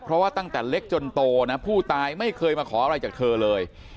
เพราะว่าตั้งแต่เล็กจนโตนะผู้ตายไม่เคยมาขออะไรจากเธอเลย